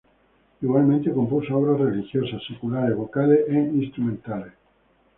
Igualmente compuso obras religiosas, seculares, vocales e instrumentales.